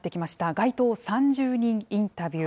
街頭３０人インタビュー。